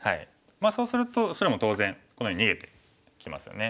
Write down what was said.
そうすると白も当然このように逃げてきますよね。